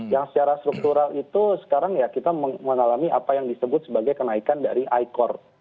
yang secara struktural itu sekarang ya kita mengalami apa yang disebut sebagai kenaikan dari icord